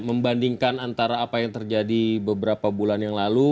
membandingkan antara apa yang terjadi beberapa bulan yang lalu